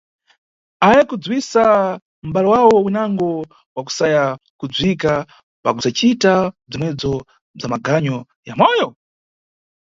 Ayayi kudziwisa mʼbale wawo winango wakusaya kudziwika, pa bzakucita bzomwebzo bza magonyo ya moyo?